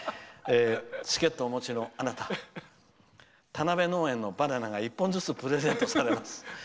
チケットをお持ちのあなた田辺農園のバナナが１本ずつプレゼントされます。